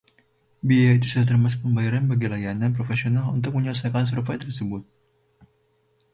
Biaya itu sudah termasuk pembayaran bagi layanan profesional untuk menyelesaikan survei tersebut.